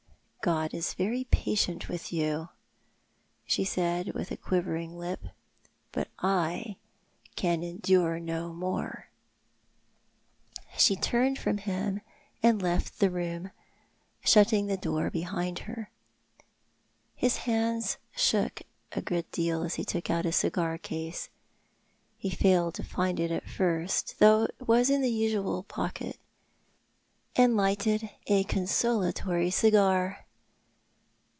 " God is very patient with you," she said, with a quivering lip, " but I can endure no more." She turned from him and left the room, shutting the door behind her. His hands shook a good deal as he took out his cigar case — he failed to find it at first, though it was in the usual pocket — and lighted a consolatory cigar.